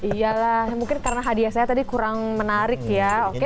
iyalah mungkin karena hadiah saya tadi kurang menarik ya oke deh